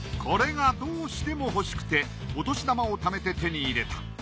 これがどうしても欲しくてお年玉を貯めて手に入れた。